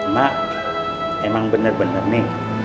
mak emang bener bener nih